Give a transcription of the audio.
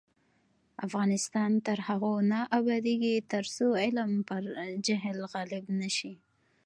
افغانستان تر هغو نه ابادیږي، ترڅو علم پر جهل غالب نشي.